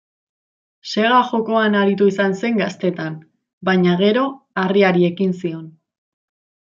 Sega-jokoan aritu izan zen gaztetan baina gero harriari ekin zion.